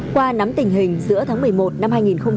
qua nắm tình hình giữa tháng một mươi một năm hai nghìn một mươi chín